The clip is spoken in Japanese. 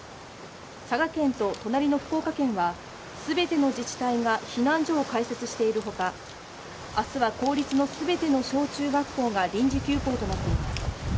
佐賀県と隣の福岡県は、全ての自治体が避難所を開設しているほか、明日は公立の全ての小中学校が臨時休校となっています。